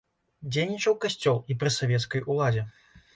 Дзейнічаў касцёл і пры савецкай уладзе.